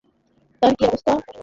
তার কী অবস্থা?